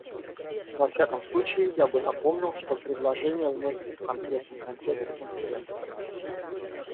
Во всяком случае, я бы напомнил, что предложения вносятся в конкретном контексте Конференции.